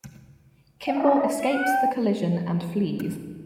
Kimble escapes the collision and flees.